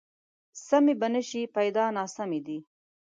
سمې به نه شي، پیدا ناسمې دي